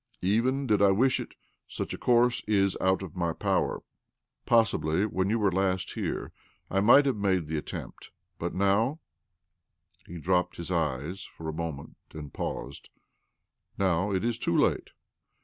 Even did I wisb it, such a course is out of my power. Possibly, when you were last here, I mtghi have made the attempf ; but now "—here he dropped his eyes for a moment and paused —" now it is too late.